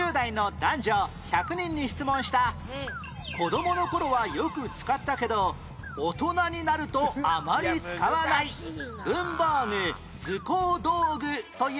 子供の頃はよく使ったけど大人になるとあまり使わない文房具図工道具といえば？